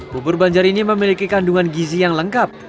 bubur banjar ini memiliki kandungan gizi yang lengkap